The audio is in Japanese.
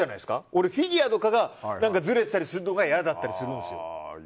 俺フィギュアとかがずれてたりするのが嫌だったりするんですよ。